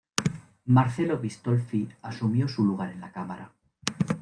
Marcelo Bistolfi asumió su lugar en la cámara.